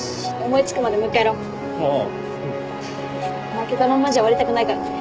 負けたまんまじゃ終わりたくないからね。